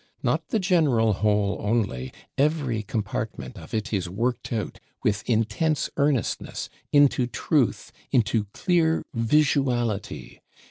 Not the general whole only; every compartment of it is worked out, with intense earnestness, into truth, into clear visuality.